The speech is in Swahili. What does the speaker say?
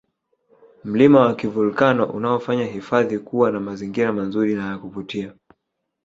mlima wa kivolkano unaofanya hifadhi kuwa na mazingira mazuri na yakuvutia